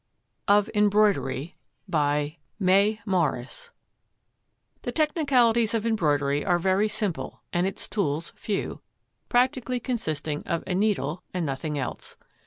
OF EMBROIDERY The technicalities of Embroidery are very simple and its tools few practically consisting of a needle, and nothing else.